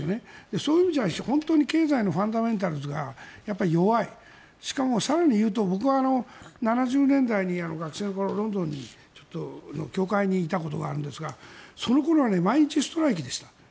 そういう意味では本当に経済のファンダメンタルズが弱いしかも更にいうと僕は７０年代にロンドンの協会にいたことがあるんですがその頃は毎日、ストライキでした。